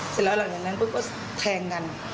เสร็จแล้วหลังจากนั้นปุ๊บก็แทงกัน